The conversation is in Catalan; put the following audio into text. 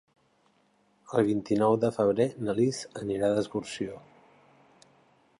El vint-i-nou de febrer na Lis anirà d'excursió.